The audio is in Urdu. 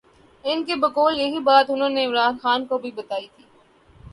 ان کے بقول یہی بات انہوں نے عمران خان کو بھی بتائی تھی۔